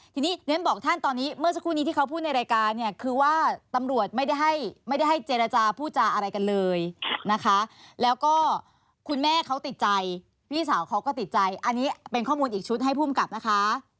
ทีนี้เรียนบอกท่านตอนนี้เมื่อสักครู่นี้ที่เขาพูดในรายการเนี่ยคือว่าตำรวจไม่ได้ให้ไม่ได้ให้เจรจาพูดจาอะไรกันเลยนะคะแล้วก็คุณแม่เขาติดใจพี่สาวเขาก็ติดใจอันนี้เป็นข้อมูลอีกชุดให้ภูมิกับนะคะ